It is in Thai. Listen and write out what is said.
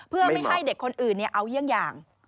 เพื่อไม่ให้เด็กคนอื่นเอาเยี่ยงอย่าง